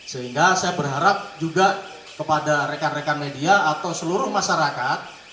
sehingga saya berharap juga kepada rekan rekan media atau seluruh masyarakat